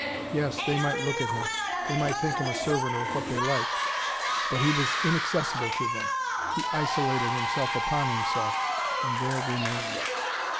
Yes, they might look at him. They might think him a servant or what they liked. But he was inaccessible to them. He isolated himself upon himself, and there remained.